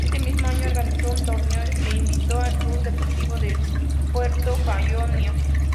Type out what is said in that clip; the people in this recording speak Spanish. Ese mismo año organizó un torneo e invitó al Club Deportivo de Puerto Sajonia.